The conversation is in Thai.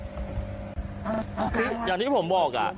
คืออย่างที่ผมบอก